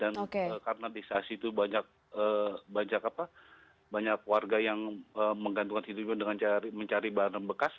dan karena di sas itu banyak banyak apa banyak warga yang menggantungkan hidupnya dengan mencari bahan bekas